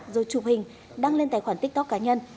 rồi chụp hình đăng lên tài khoản tiktok cá nhân